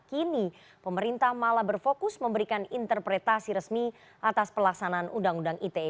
kini pemerintah malah berfokus memberikan interpretasi resmi atas pelaksanaan undang undang ite